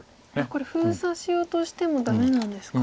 これ封鎖しようとしてもダメなんですか。